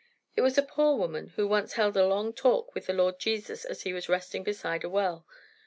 "It was a poor woman who once held a long talk with the Lord Jesus as he was resting beside a well.